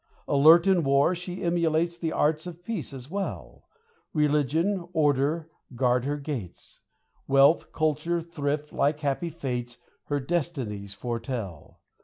Alert in war, she emulates The arts of peace, as well : Religion, order, guard her gates ; Wealth, culture, thrift, like happy Fates, Her destinies foretell.